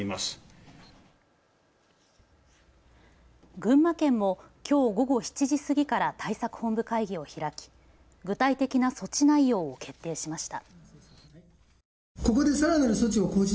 群馬県もきょう午後７時過ぎから対策本部会議を開き具体的な措置内容を決定しました。